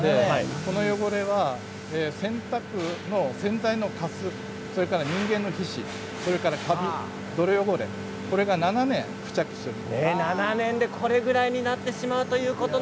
この汚れは洗剤のかすそれから人間の皮脂、それから泥汚れ、これが７年間付着しているんですよね。